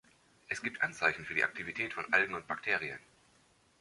Es gibt Anzeichen für die Aktivität von Algen und Bakterien.